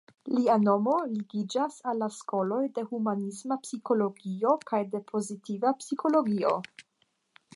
Lia nomo ligiĝas al la skoloj de humanisma psikologio kaj de pozitiva psikologio.